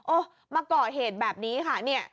โอ้มาเกาะเหตุแบบนี้ค่ะนี่